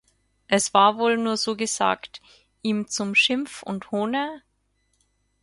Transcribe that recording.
Es war wohl nur so gesagt ihm zum Schimpf und Hohne?